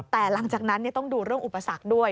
แต่หลังจากนั้นต้องดูเรื่องอุปสรรคด้วย